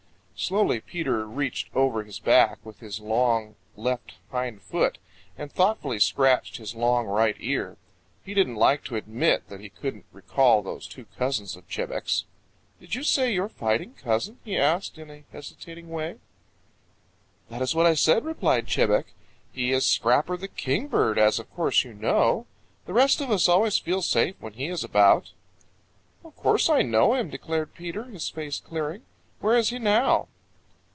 Slowly Peter reached over his back with his long left hind foot and thoughtfully scratched his long right ear. He didn't like to admit that he couldn't recall those two cousins of Chebec's. "Did you say your fighting cousin?" he asked in a hesitating way. "That's what I said," replied Chebec. "He is Scrapper the Kingbird, as of course you know. The rest of us always feel safe when he is about." "Of course I know him," declared Peter, his face clearing. "Where is he now?"